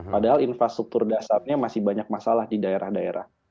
padahal infrastruktur dasarnya masih banyak masalah di daerah daerah